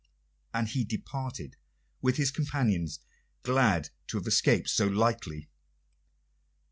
And he departed with his companions, glad to have escaped so lightly.